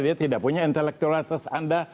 dia tidak punya intelektualitas anda